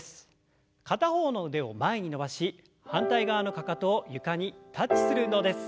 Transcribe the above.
片方の腕を前に伸ばし反対側のかかとを床にタッチする運動です。